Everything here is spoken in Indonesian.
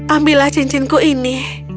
ambillah cincinku ini